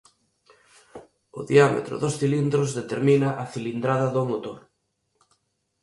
O diámetro dos cilindros determina a cilindrada do motor.